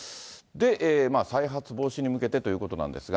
再発防止に向けてということなんですが。